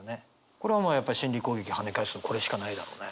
これはやっぱ心理攻撃はね返すのこれしかないだろうね。